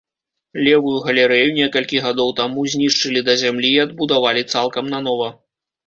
Левую галерэю некалькі гадоў таму знішчылі да зямлі і адбудавалі цалкам нанова.